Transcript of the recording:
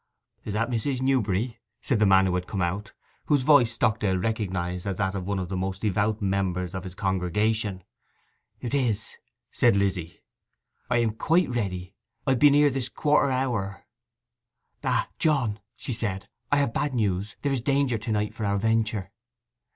'Is that Mrs. Newberry?' said the man who had come out, whose voice Stockdale recognized as that of one of the most devout members of his congregation. 'It is,' said Lizzy. 'I be quite ready—I've been here this quarter hour.' 'Ah, John,' said she, 'I have bad news; there is danger to night for our venture.